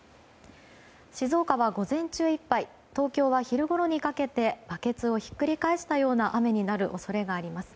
静岡は午前中いっぱい東京は昼ごろにかけてバケツをひっくり返したような雨になる恐れがあります。